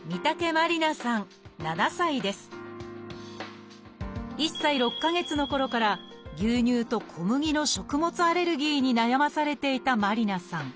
１歳６か月のころから牛乳と小麦の食物アレルギーに悩まされていた麻里凪さん。